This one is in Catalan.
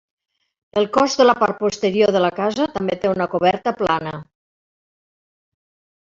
El cos de la part posterior de la casa també té una coberta plana.